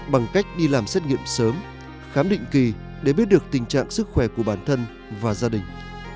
bằng cách đi làm xét nghiệm sớm khám định kỳ để biết được tình trạng sức khỏe của bản thân và gia đình